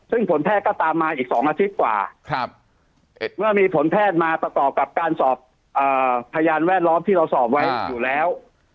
ซึ่งผลแพทย์ก็ตามมาอีก๒อาทิตย์กว่าเมื่อมีผลแพทย์มาประกอบกับการสอบพยานแวดล้อมที่เราสอบไว้อยู่แล้ว